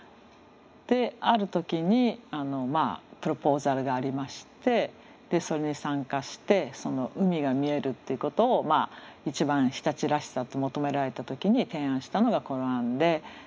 である時にプロポーザルがありましてそれに参加してその海が見えるっていうことを一番日立らしさと求められた時に提案したのがこの案で。